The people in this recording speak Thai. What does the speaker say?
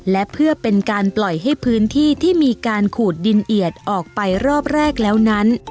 และเพื่อเป็นการปล่อยให้พื้นที่ที่มีการขูดดินเอียดออกไปรอบแรกแล้วนั้น